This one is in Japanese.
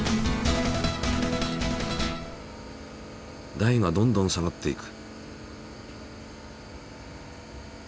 台がどんどん下がっていく。